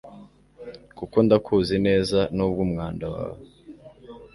kuko ndakuzi neza nubwo umwanda wawe